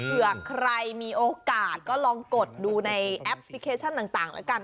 เผื่อใครมีโอกาสก็ลองกดดูในแอปพลิเคชันต่างแล้วกัน